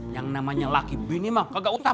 yang namanya laki bini mah kagak utam